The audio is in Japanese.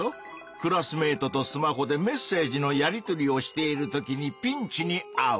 クラスメートとスマホでメッセージのやりとりをしているときにピンチにあう！